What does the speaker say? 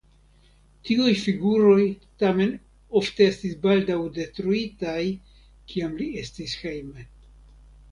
Tiuj figuroj tamen ofte estis baldaŭ detruitaj, kiam li estis hejme.